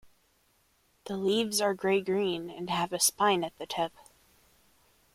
The leaves are grey green and have a spine at the tip.